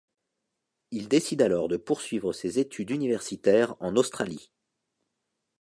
Il décide alors de poursuivre ses études universitaires en Australie.